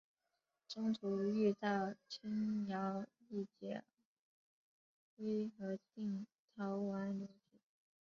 中途遇到京兆尹解恽和定陶王刘祉。